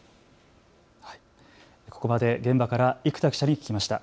ここまで現場から生田記者に聞きました。